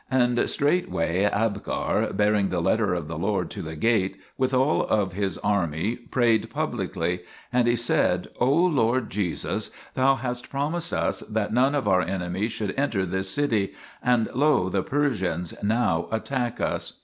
And straightway Abgar, bearing the letter of the Lord to the gate, with all his army, prayed publicly. And he said :" O Lord Jesus, Thou hadst promised us that none of our enemies should enter this city, and lo ! the D 34 THE PILGRIMAGE OF ETHERIA Persians now attack us."